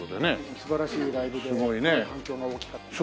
素晴らしいライブですごい反響が大きかったです。